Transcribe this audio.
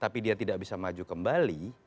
tapi dia tidak bisa maju kembali